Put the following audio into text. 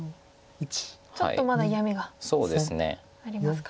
ちょっとまだ嫌みがありますか。